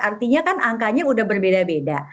artinya kan angkanya udah berbeda beda